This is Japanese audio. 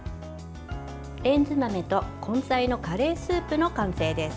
レンズ豆と根菜のカレースープの完成です。